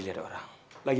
saya lihat tadi